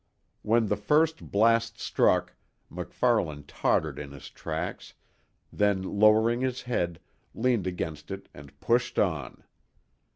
When the first blast struck, MacFarlane tottered in his tracks, then lowering his head, leaned against it and pushed on.